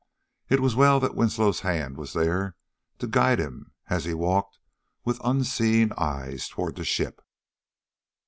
It was well that Winslow's hand was there to guide him as he walked with unseeing eyes toward the ship.